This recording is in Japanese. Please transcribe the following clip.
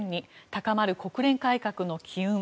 高まる国連改革の機運。